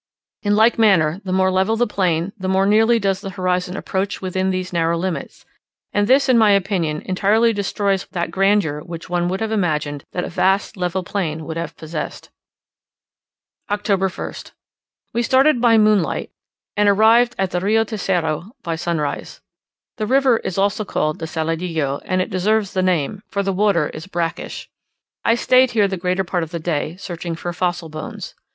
In like manner, the more level the plain, the more nearly does the horizon approach within these narrow limits; and this, in my opinion, entirely destroys that grandeur which one would have imagined that a vast level plain would have possessed. October 1st. We started by moonlight and arrived at the Rio Tercero by sunrise. The river is also called the Saladillo, and it deserves the name, for the water is brackish. I stayed here the greater part of the day, searching for fossil bones.